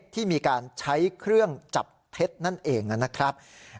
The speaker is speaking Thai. ที่มีการใช้เครื่องจับเท็จนั่นเองนะครับ